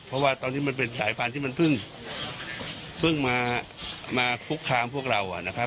เพราะว่าตอนนี้มันเป็นสายพันธุ์ที่มันเพิ่งมาคุกคามพวกเรานะครับ